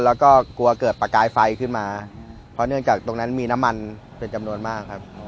แล้วก็กลัวเกิดประกายไฟขึ้นมาเพราะเนื่องจากตรงนั้นมีน้ำมันเป็นจำนวนมากครับ